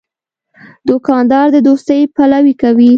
دوکاندار د دوستۍ پلوي کوي.